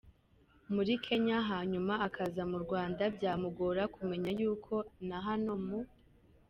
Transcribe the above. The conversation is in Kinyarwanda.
muri Kenya hanyuma akaza mu Rwanda, byamugora kumenya yuko na hano mu